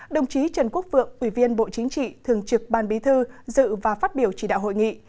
đồng chí trần quốc vượng ủy viên bộ chính trị thường trực ban bí thư dự và phát biểu chỉ đạo hội nghị